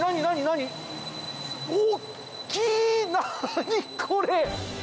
何これ！